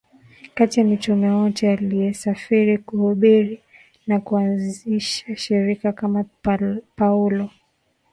kati ya mitume wote aliyesafiri kuhubiri na kuanzisha shirika kama Paulo